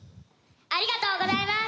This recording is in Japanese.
ありがとうございます！